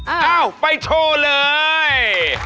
อ้าวไปโชว์เลย